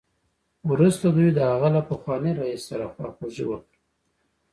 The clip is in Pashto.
وروسته دوی د هغه له پخواني رییس سره خواخوږي وکړه